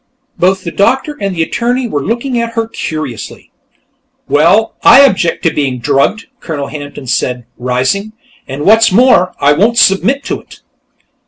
Both the doctor and the attorney were looking at her curiously. "Well, I object to being drugged," Colonel Hampton said, rising. "And what's more, I won't submit to it."